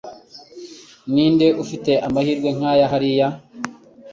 ninde ufite amahirwe nkaya hariya